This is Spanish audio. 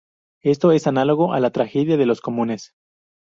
Esto es análogo a la tragedia de los comunes.